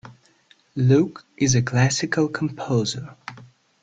Luke is a classical composer.